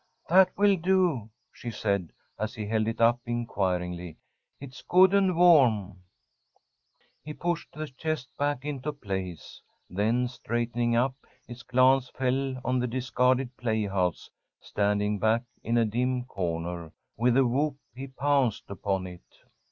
"That will do," she said, as he held it up inquiringly. "It's good and warm." He pushed the chest back into place. Then, straightening up, his glance fell on the discarded playhouse, standing back in a dim corner. With a whoop he pounced upon it.